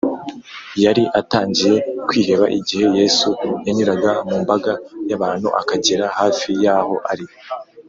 yari atangiye kwiheba igihe yesu yanyuraga mu mbaga y’abantu akagera hafi y’aho ari